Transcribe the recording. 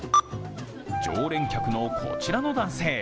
常連客のこちらの男性。